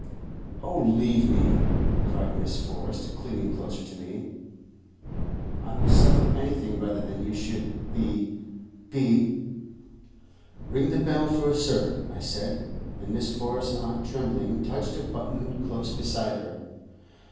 "Oh, leave me," cried Miss Forrest, clinging closer to me; "I will suffer anything rather than you should be be " "Ring the bell for a servant," I said; and Miss Forrest's aunt tremblingly touched a button close beside her.